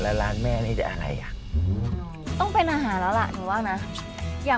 โหร้านแรกกระจุดแล้ววันนี้